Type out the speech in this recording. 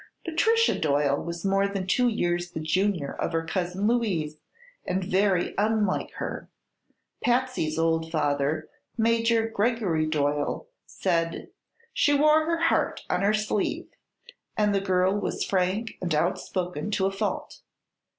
Patricia Doyle was more than two years the junior of her cousin Louise and very unlike her. Patsy's old father, Major Gregory Doyle, said "she wore her heart on her sleeve," and the girl was frank and outspoken to a fault.